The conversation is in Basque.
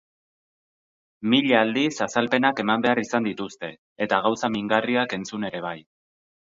Mila aldiz azalpenak eman behar izan dituzte eta gauza mingarriak entzun ere bai.